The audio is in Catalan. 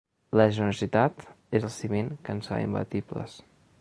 La generositat és el ciment que ens fa imbatibles.